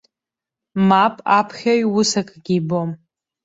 Мап, аԥхьаҩ ус акгьы ибом.